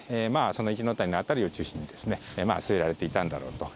その一ノ谷の辺りを中心にですね据えられていたんだろうと。